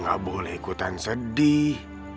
gak boleh ikutan sedih